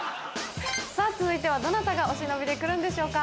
さぁ続いてはどなたがお忍びで来るんでしょうか。